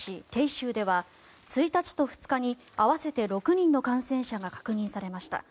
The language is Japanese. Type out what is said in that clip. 鄭州では１日と２日に合わせて６人の感染者が確認されました。